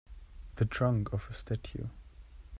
The trunk of a statue.